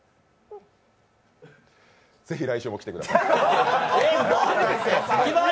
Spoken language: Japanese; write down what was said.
ぜひ来週も来てください。